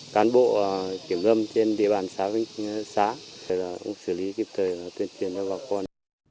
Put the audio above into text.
cán bộ kiểm lâm trên địa bàn xã minh khương xã chúng tôi cũng xử lý kịp thời và tuyên truyền cho bà con